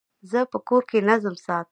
زه په کور کي نظم ساتم.